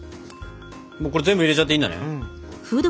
これ全部入れちゃっていいんだね？